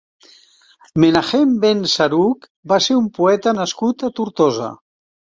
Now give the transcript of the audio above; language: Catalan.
Menahem ben Saruq va ser un poeta nascut a Tortosa.